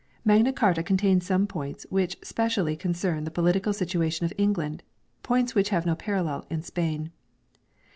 Magna Carta contains some points which specially concern the political situation of England, points which have no parallel in Spain.